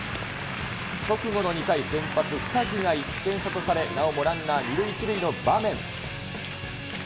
直後の２回、先発、二木が１点差とされ、なおもランナー２塁、１塁の場面。